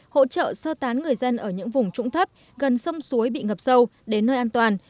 hỗ trợ sơ tán người dân ở những vùng trũng thấp gần sông suối bị ngập sâu đến nơi an toàn